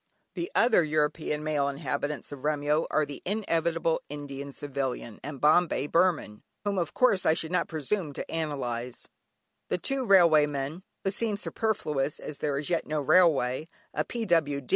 The other European male inhabitants of Remyo, are the inevitable Indian Civilian and "Bombay Burman," whom of course I should not presume to analyse; two railway men (who seem superfluous as there is as yet no railway), a P.W.D.